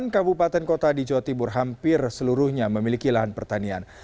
tujuh puluh delapan kabupaten kota di jawa timur hampir seluruhnya memiliki lahan pertanian